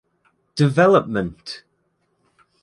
Development!